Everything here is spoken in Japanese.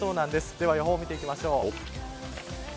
では、予報を見ていきましょう。